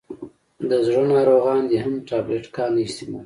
دزړه ناروغان دي هم ټابلیټ کا نه استعمالوي.